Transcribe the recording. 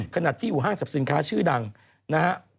ขนาดที่อยู่ห้างศัพท์สินค้าชื่อดังนะฮะ